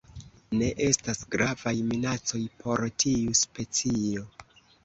Ne estas gravaj minacoj por tiu specio.